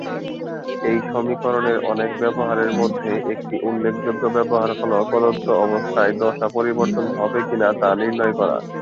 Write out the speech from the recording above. এই সমীকরণের অনেক ব্যবহারের মধ্যে একটি উল্লেখযোগ্য ব্যবহার হলো প্রদত্ত অবস্থায় দশা পরিবর্তন হবে কিনা তা নির্ণয় করা।